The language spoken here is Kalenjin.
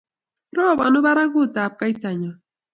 robonu barakutab kaitanyo